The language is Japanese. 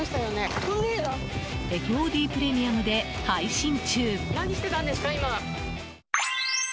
ＦＯＤプレミアムで配信中。